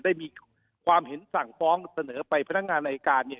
ได้มีความเห็นสั่งฟ้องเสนอไปพนักงานอายการ